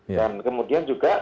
dan kemudian juga